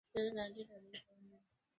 Anza na wanyama safi wakati wa kukamua